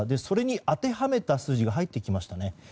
それに当てはめた数字が入ってきました。